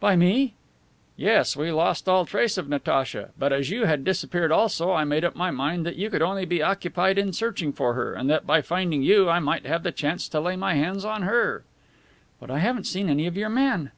"By me?" "Yes, we lost all trace of Natacha. But, as you had disappeared also, I made up my mind that you could only be occupied in searching for her, and that by finding you I might have the chance to lay my hands on her." "But I haven't seen any of your men?"